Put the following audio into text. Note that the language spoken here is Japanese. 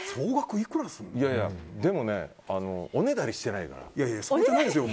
でもおねだりはしてないから。